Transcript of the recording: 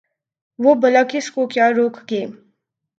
وہ بلا کس کو کیا روک گے ۔